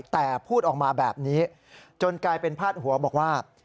แต่พูดออกมาแบบนี้จนกลายเป็นพาดหัวบอกว่า